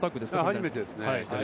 初めてですね。